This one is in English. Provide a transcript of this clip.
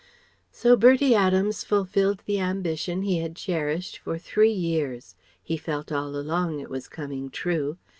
So Bertie Adams fulfilled the ambition he had cherished for three years he felt all along it was coming true.